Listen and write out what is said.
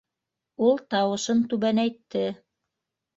— Ул тауышын түбәнәйтте.